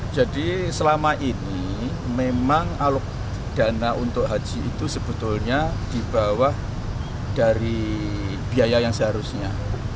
jadi selama ini memang alok dana untuk haji itu sebetulnya di bawah dari biaya yang seharusnya